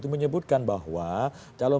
itu menyebutkan bahwa calon